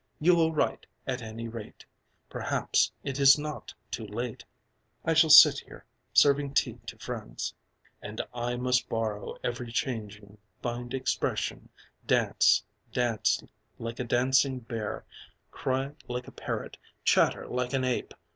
You will write, at any rate. Perhaps it is not too late. I shall sit here, serving tea to friends." And I must borrow every changing shape To find expression... dance, dance Like a dancing bear, Cry like a parrot, chatter like an ape.